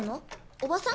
おばさん？